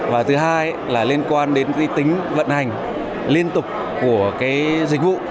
và thứ hai là liên quan đến uy tính vận hành liên tục của dịch vụ